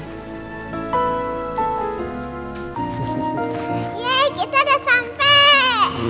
yeay kita udah sampe